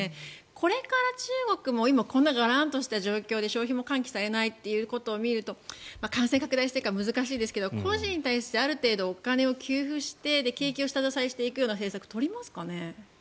これから中国も今、こんながらんとした状態で消費も喚起されないということを見ると感染拡大しているから難しいですけど個人に対してある程度お金を給付して景気を下支えしていくような政策を取りますかね？